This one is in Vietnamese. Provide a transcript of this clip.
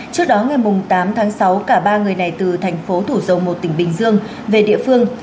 trước đó ngày tám tháng sáu cả ba người này từ thành phố thủ dầu một tỉnh bình dương về địa phương